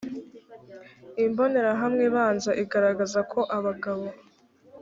imbonerahamwe ibanza iragaragaza ko abagabo